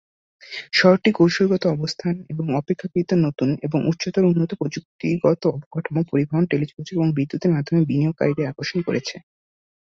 শহরটি কৌশলগত অবস্থান এবং অপেক্ষাকৃত নতুন এবং উচ্চতর উন্নত প্রযুক্তিগত অবকাঠামো পরিবহন, টেলিযোগাযোগ এবং বিদ্যুতের মাধ্যমে বিনিয়োগকারীদের আকর্ষণ করেছে।